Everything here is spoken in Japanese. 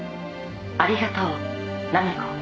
ありがとう菜美子」